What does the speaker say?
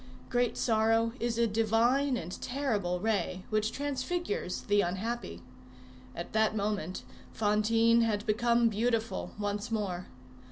Great sorrow is a divine and terrible ray, which transfigures the unhappy. At that moment Fantine had become beautiful once more.